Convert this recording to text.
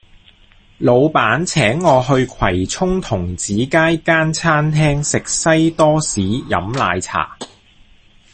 老闆請我去葵涌童子街間餐廳食西多士飲奶茶